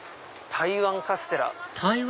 台湾カステラ？